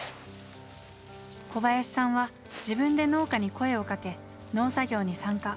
小林さんは自分で農家に声をかけ農作業に参加。